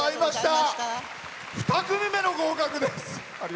２組目の合格です。